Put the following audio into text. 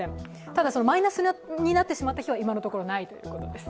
ただ、マイナスになってしまった日は今のところないということです。